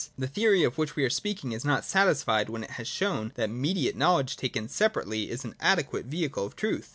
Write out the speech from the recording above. ] The theory of which we are speaking is not satisfied when it has shown that mediate knowledge taken separately is an adequate vehicle of truth.